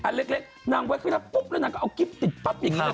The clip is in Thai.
อันเล็กนั่งไว้ครึ่งแล้วปุ๊บแล้วนั่งก็เอากิ๊บติดปั๊บอย่างนี้ค่ะ